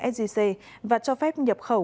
sgc và cho phép nhập khẩu